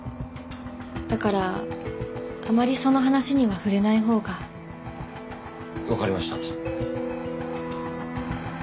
だからあまりその話には触れないほうが。わかりました。